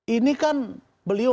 ini kan beliau